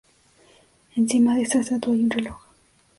Encima de esta estatua hay un reloj.